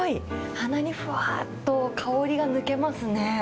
鼻にふわっと香りが抜けますね。